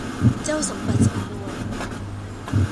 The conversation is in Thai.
เจ้าสำบัดสำนวน